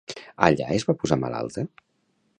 Allà es va posar malalta?